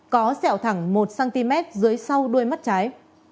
có sẹo thẳng một cm dưới sau đuôi mắt trái